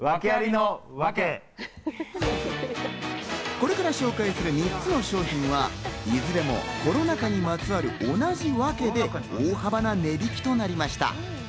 これから紹介する３つの商品はいずれもコロナ禍にまつわる同じワケで大幅な値引きとなりました。